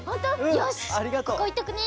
よしここおいとくね。